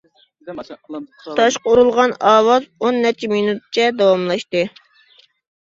تاشقا ئۇرۇلغان ئاۋاز ئون نەچچە مىنۇتچە داۋاملاشتى.